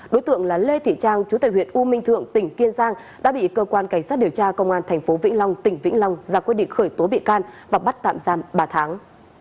đối tượng là lê thị trang chú tại huyện u minh thượng tỉnh kiên giang đã bị cơ quan cảnh sát điều tra công an tp vĩnh long tỉnh vĩnh long ra quyết định khởi tố bị can và bắt tạm giam ba tháng